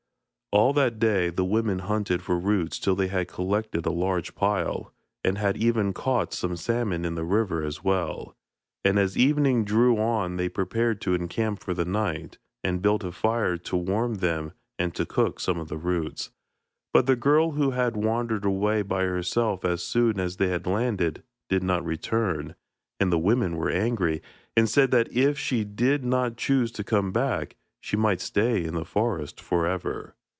All that day the women hunted for roots till they had collected a large pile, and had even caught some salmon in the river as well, and as evening drew on they prepared to encamp for the night, and built a fire to warm them and to cook some of the roots. But the girl, who had wandered away by herself as soon as they had landed, did not return, and the women were angry, and said that if she did not choose to come back, she might stay in the forest for ever.